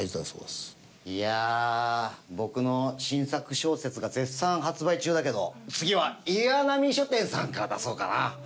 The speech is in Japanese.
いやあ僕の新作小説が絶賛発売中だけど次は岩波書店さんから出そうかな。